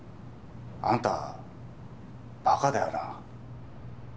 あんたバカだよな。